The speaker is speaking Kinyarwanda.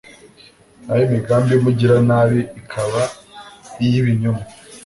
naho imigambi y’umugiranabi ikaba iy’ibinyoma